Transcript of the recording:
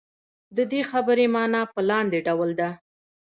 د دې خبرې معنا په لاندې ډول ده.